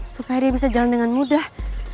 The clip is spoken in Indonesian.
supaya dia bisa jalan dengan mudah